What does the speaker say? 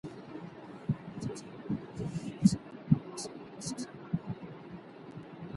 که يو له دوی څخه مرتد سي او له بيا مسلمانېدو څخه انکار وکړي.